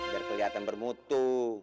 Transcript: biar kelihatan bermutu